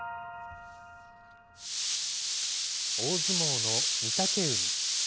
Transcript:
大相撲の御嶽海。